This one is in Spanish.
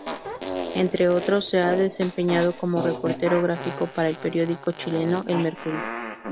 Entre otros se ha desempeñado como reportero gráfico para el periódico chileno El Mercurio.